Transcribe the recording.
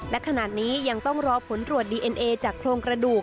และขณะนี้ยังต้องรอผลตรวจดีเอ็นเอจากโครงกระดูก